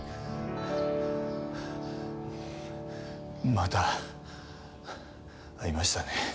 また会いましたね。